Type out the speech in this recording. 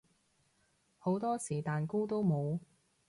好多時蛋糕都冇